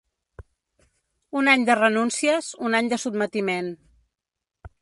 Un any de renúncies, un any de sotmetiment.